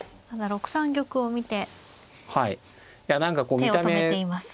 ６三玉を見て手を止めています。